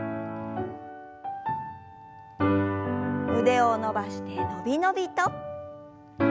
腕を伸ばしてのびのびと。